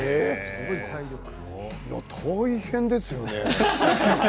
大変ですよね。